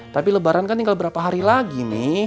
tapi lebaran kan tinggal berapa hari lagi mi